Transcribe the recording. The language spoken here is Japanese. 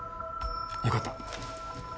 よかった。